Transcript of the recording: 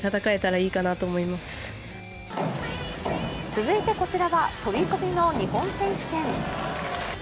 続いてこちらは飛込の日本選手権。